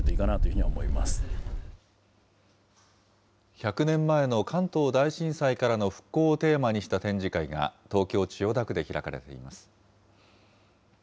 １００年前の関東大震災からの復興をテーマにした展示会が、東京・千代田区で開かれています。